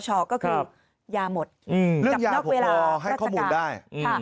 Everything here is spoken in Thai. ยาหมดกับนอกเวลารักษาการเรื่องยาพอให้ข้อมูลได้